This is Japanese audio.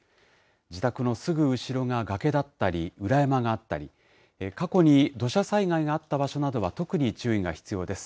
自宅のすぐ後ろが崖だったり、裏山があったり、過去に土砂災害があった場所などは特に注意が必要です。